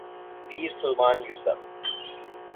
Pir Salman Yusuf.